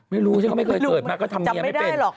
ไม่รู้ไม่เคยเกิดมาก็ทำเมียไม่เป็น